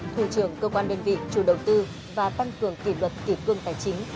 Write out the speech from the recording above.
thủ trưởng cơ quan đơn vị chủ đầu tư và tăng cường kỷ luật kỷ cương tài chính